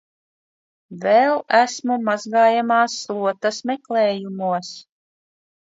Vēl esmu mazgājamās slotas meklējumos.